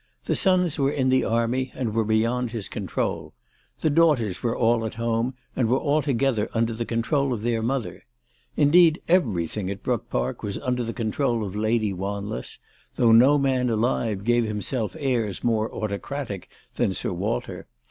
The sons were in the army, and were beyond his control. The daughters were all at home, and were altogether under the control of their mother. Indeed everything at Brook Park was under the control of Lady Wanless, though no man alive g&ve himself airs more autocratic than Sir Walter.